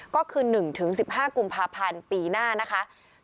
ก็คือ๑๑๕กุมภาพันธ์ปีหน้านะคะ